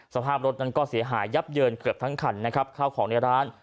สภาพรถนั้นก็เสียหายยับเยินเกือบทั้งคันนะครับข้าวของในร้าน